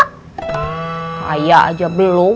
kaya aja belum